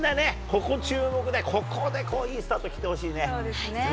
ここ注目で、ここでいいスタートそうですね。